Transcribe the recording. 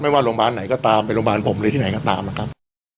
ว่าโรงพยาบาลไหนก็ตามเป็นโรงพยาบาลผมหรือที่ไหนก็ตามนะครับ